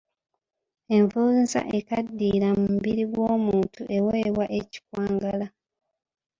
Envunza ekaddiyira mu mubiri gw’omuntu eweebwa ekikwangala.